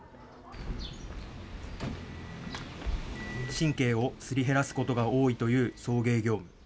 神経をすり減らすことが多いという送迎業務。